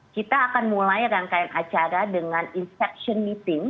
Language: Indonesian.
kita akan mulai rangkaian acara dengan inspection meeting